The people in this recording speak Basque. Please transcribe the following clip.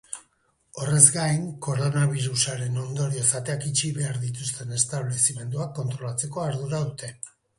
Horrez gain, koronabirusaren ondorioz ateak itxi behar dituzten establezimenduak kontrolatzeko ardura dute.